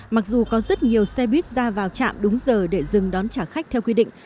mặc dù có rất nhiều xe buýt ra vào trạm đúng giờ để dừng đón trả khách theo quy định